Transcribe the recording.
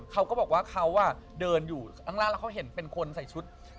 เขาก็บอกว่าเขาเดินอยู่ข้างล่างแล้วเขาเห็นเป็นคนใส่ชุด